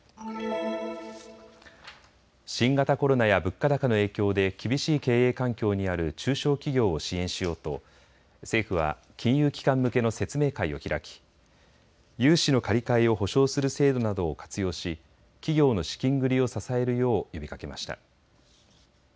新型コロナや物価高の影響で厳しい経営環境にある中小企業を支援しようと政府は金融機関向けの説明会を開き融資の借り換えを保証する制度などを活用し企業の資金繰りを支えるよう呼びかけました。